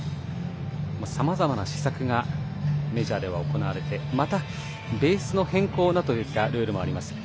さまざまな施策がメジャーでは行われてまた、ベースの変更などのルールもあります。